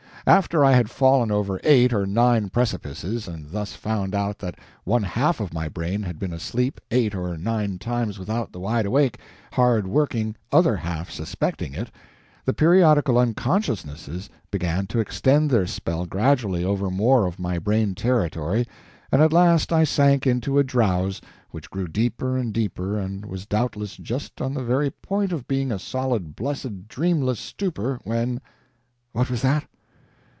After I had fallen over eight or nine precipices and thus found out that one half of my brain had been asleep eight or nine times without the wide awake, hard working other half suspecting it, the periodical unconsciousnesses began to extend their spell gradually over more of my brain territory, and at last I sank into a drowse which grew deeper and deeper and was doubtless just on the very point of being a solid, blessed dreamless stupor, when what was that?